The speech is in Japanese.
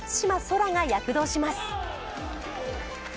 空が躍動します。